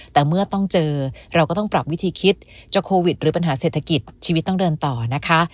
แต่เมื่อต้องเจอเราก็ต้องปรับวิธีคิดจะโควิดหรือปัญหาเศรษฐกิจชีวิตต้องเดินต่อนะคะ